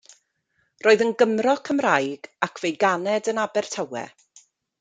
Roedd yn Gymro Cymraeg ac fe'i ganed yn Abertawe.